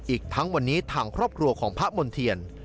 อีกทั้งวันนี้ทางครอบครัวของพระมณ์เทียน